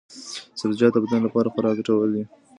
سبزیجات د بدن لپاره خورا ګټور دي.